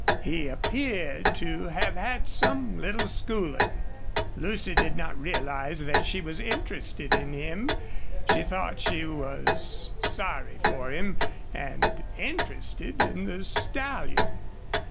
He appeared to have had some little schooling. Lucy did not realize that she was interested in him. She thought she was sorry for him and interested in the stallion.